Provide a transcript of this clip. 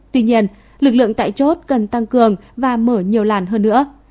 tuy nhiên lực lượng tại chốt cần tăng cường và mở nhiều làn hơn nữa